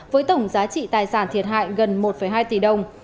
với tổng giá trị tài sản thiệt hại gần một hai tỷ đồng